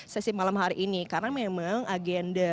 sesi malam hari ini karena memang agenda